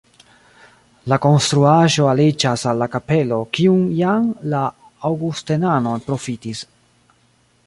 La konstruaĵo aliĝas al la kapelo, kiun jam la aŭgustenanoj profitis.